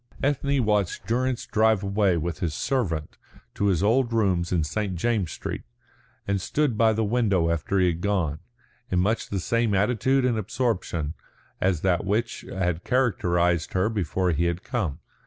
Ethne watched Durrance drive away with his servant to his old rooms in St. James's Street, and stood by the window after he had gone, in much the same attitude and absorption as that which had characterised her before he had come.